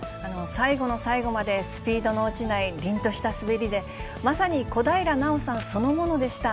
最後の最後までスピードの落ちないりんとした滑りで、まさに小平奈緒さんそのものでした。